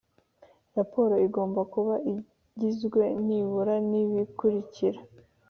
Raporo igomba kuba igizwe nibura n’ibikurikira